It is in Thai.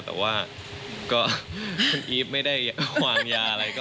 แต่ว่าก็คุณอีฟไม่ได้วางยาอะไร